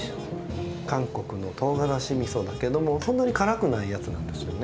韓国のとうがらしみそだけどもそんなに辛くないやつなんですよね。